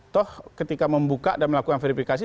toh ketika membuka dan melakukan verifikasi